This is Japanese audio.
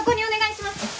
お願いします。